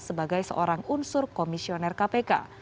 sebagai seorang unsur komisioner kpk